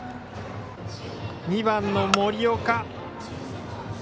２番の森岡